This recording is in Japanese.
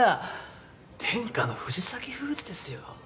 天下の藤崎フーズですよ。